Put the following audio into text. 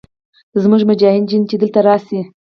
زموږ مجاهدین چې دلته راشي.